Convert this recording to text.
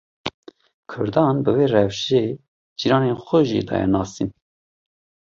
Kurdan bi vê rewşê bi cîranên xwe daye nasîn jî.